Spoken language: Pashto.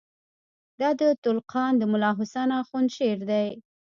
دا د تُلُقان د ملاحسن آخوند شعر دئ.